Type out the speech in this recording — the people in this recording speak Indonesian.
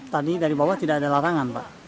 tadi dari bawah tidak ada larangan pak